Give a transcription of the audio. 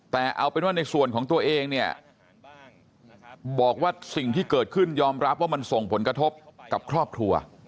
แต่เอาเป็นว่าในส่วนของตัวเองเนี่ยบอกว่าสิ่งที่เกิดขึ้นยอมรับว่ามันส่งผลกระทบกับครอบครัว